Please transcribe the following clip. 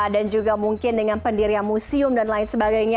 dan juga mungkin dengan pendirian museum dan lain sebagainya ya